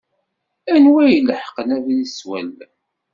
Anwa i ileḥqen abrid s wallen?